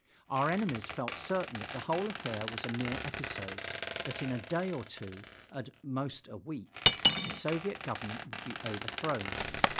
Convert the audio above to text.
Our enemies felt certain that the whole affair was a mere episode, that in a day or two at most a week the Soviet Government would be overthrown.